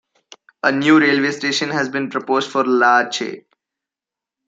A new railway station has been proposed for Lache.